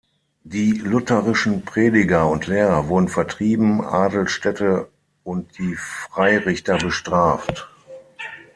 Die lutherischen Prediger und Lehrer wurden vertrieben, Adel, Städte und die Freirichter bestraft.